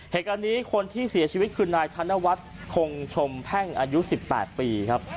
เหตุการณ์นี้คนที่เสียชีวิตคือนายธนวัฒน์คงชมแพ่งอายุ๑๘ปีครับ